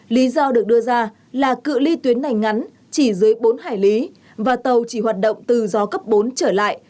lý do được đưa ra là cự li tuyến này ngắn chỉ dưới bốn hải lý và tàu chỉ hoạt động từ gió cấp bốn trở lại